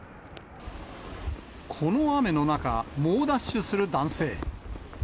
この雨の中、猛ダッシュする男性。